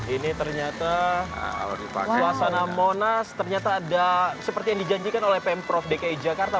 ini ternyata luasana monas ternyata ada seperti yang dijanjikan oleh pm prof dki jakarta